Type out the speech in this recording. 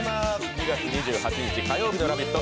２月２８日火曜日の「ラヴィット！」